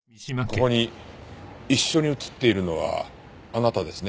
ここに一緒に写っているのはあなたですね？